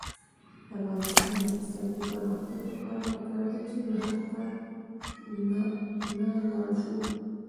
د افغانستان د اقتصادي پرمختګ لپاره پکار ده چې بهر ته نلاړ شو.